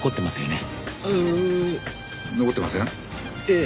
ええ。